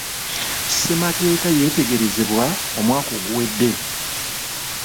Ssemateeka yeetegerezebwa omwaka oguwedde.